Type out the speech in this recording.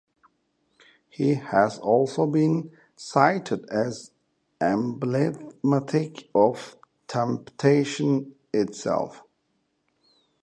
He has also been cited as emblematic of temptation itself.